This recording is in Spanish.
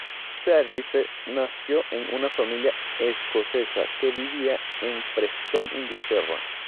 Service nació en una familia escocesa que vivía en Preston, Inglaterra.